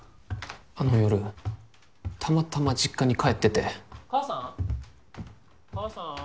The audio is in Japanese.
あの夜たまたま実家に帰ってて母さん？母さん？